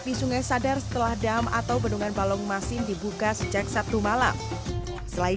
di sungai sadar setelah dam atau bendungan balong masin dibuka sejak sabtu malam selain